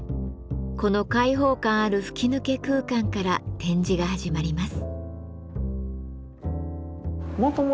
この開放感ある吹き抜け空間から展示が始まります。